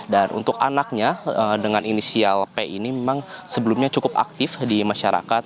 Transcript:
dan untuk anaknya dengan inisial p ini memang sebelumnya cukup aktif di masyarakat